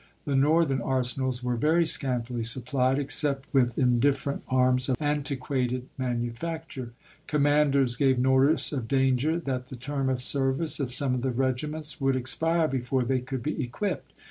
The Northern arsenals were very scantily supplied, ex cept with indifferent arms of antiquated manufac ture. Commanders gave notice of danger that the to^To^s^ term of service of some of the regiments would *^2^'iSf expire before they could be equipped.